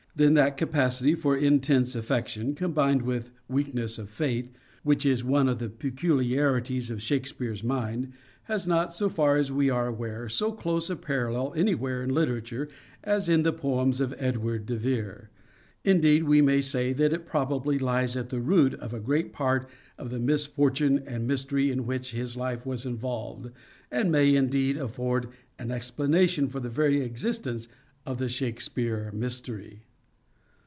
Then that capacity for intense affection combined with weakness of faith which is one of the peculiarities of Shakespeare's mind, has not, so far as we are aware, so close a parallel anywhere in literature as in the poems of Edward de Vere. It is not merely in an occasional line, but is the keynote of much of his poetry. Indeed we may say that it probably lies at the root of a great part of the mis fortune and mystery in which his life was involved, and may indeed afford an explanation for the very existence of the Shakespeare mystery.